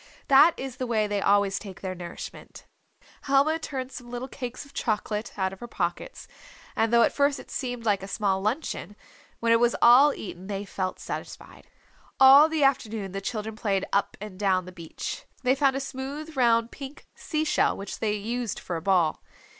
That is the way they always take their nourishment. Helma turned some little cakes of chocolate out of her pockets, and though at first it seemed like a small luncheon, when it was all eaten they felt satisfied. All the afternoon the children played up and down the beach. They found a smooth round pink sea shell which they used for a ball.